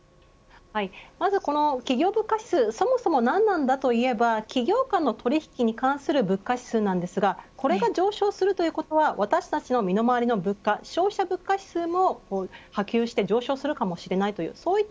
まずこの企業物価指数そもそも何なんだ、といえば企業間の取引に関する物価指数なんですがこれが上昇するということは私たちの身の回りの物価消費者物価指数も波及して上昇するかもしれないそういった